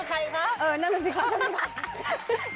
เออนั่นมันสิครับใช่ไหมคะ